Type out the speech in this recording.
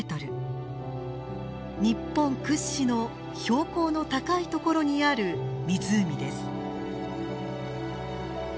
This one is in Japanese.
日本屈指の標高の高いところにある湖です。